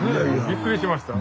びっくりしました。